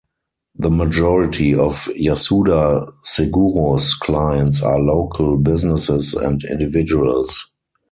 The majority of Yasuda Seguros clients are local businesses and individuals.